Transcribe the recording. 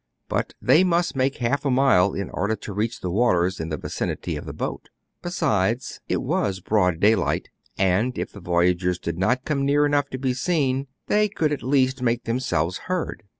But they must make half a mile in order to reach the waters in the vicinity of the boat. Be sides, it was broad daylight ; and, if the voyagers did not come near enough to be seen, they could at least make themselves heard.